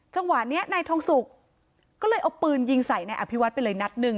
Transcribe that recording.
จังหวะนี้นายทองสุกก็เลยเอาปืนยิงใส่นายอภิวัตไปเลยนัดหนึ่ง